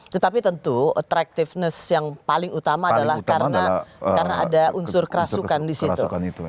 tetapi tentu attractiveness yang paling utama adalah karena ada unsur kerasukan di situ